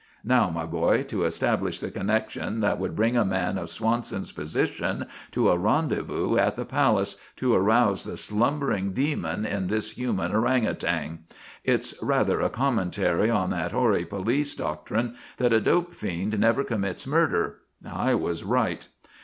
"Now, my boy, to establish the connection that would bring a man of Swanson's position to a rendezvous at the Palace, to arouse the slumbering demon in this human orang utang. It's rather a commentary on that hoary police doctrine that a dope fiend never commits murder. I was right."